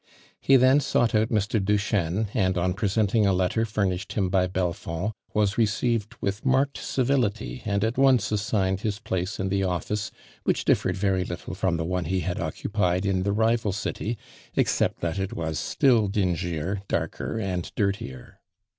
He then sought out Mr. Duchesne and on i>resenting a letter furnished him by Belfoml, was received with marked civi lii^ and at once assigned his place in the office which differed very little from the one he had occupied in the rival city except that it was still dingier, darker an^ dir tier.